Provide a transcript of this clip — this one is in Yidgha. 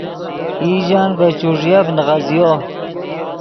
ایژن ڤے چوݱیف نیغزیو